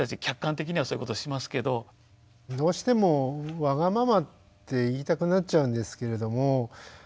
客観的にはそういうことをしますけど。どうしてもわがままって言いたくなっちゃうんですけれども。